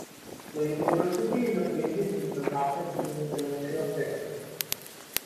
The university is affiliated with the Baptist General Convention of Texas.